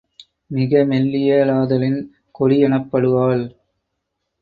மிக மெல்லிய ளாதலின், கொடி எனப்படுவாள்.